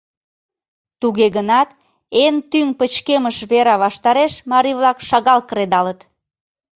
Туге гынат эн тӱҥ пычкемыш вера ваштареш марий-влак шагал кредалыт.